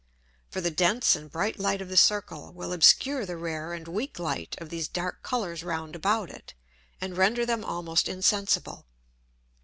For the dense and bright Light of the Circle, will obscure the rare and weak Light of these dark Colours round about it, and render them almost insensible.